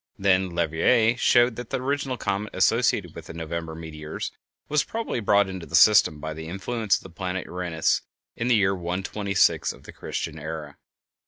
Then Leverrier showed that the original comet associated with the November meteors was probably brought into the system by the influence of the planet Uranus in the year 126 of the Christian era.